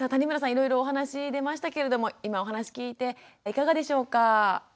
いろいろお話出ましたけれども今お話聞いていかがでしょうか？